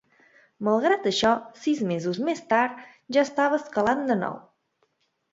Malgrat això, sis mesos més tard, ja estava escalant de nou.